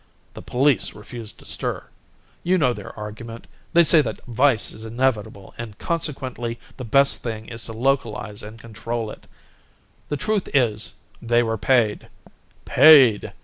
The police refused to stir. You know their argument. They say that vice is inevitable and consequently the best thing is to localise and control it. The truth is, they were paid. Paid.